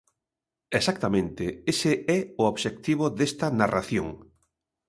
Exactamente ese é o obxectivo desta narración.